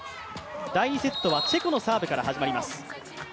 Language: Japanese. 第２セットはチェコのサーブから始まります。